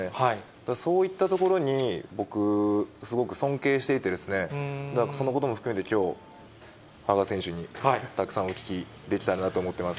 だからそういったところに、僕、すごく尊敬していて、そのことも含めて、きょう、羽賀選手にたくさんお聞きできたらなと思ってます。